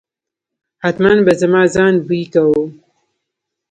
حتمآ به زما ځان بوی کاوه.